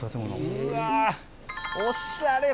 うわおしゃれ！